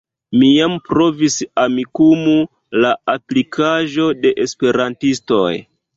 Mi jam provis Amikumu, la aplikaĵo de Esperantistoj.